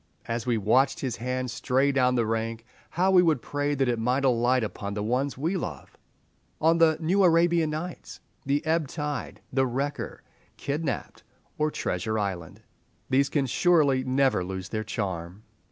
As we watched his hand stray down the rank, how we would pray that it might alight upon the ones we love, on the "New Arabian Nights" "The Ebb tide," "The Wrecker," "Kidnapped," or "Treasure Island." These can surely never lose their charm.